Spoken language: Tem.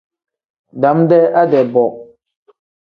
Dam-dee ade-bo.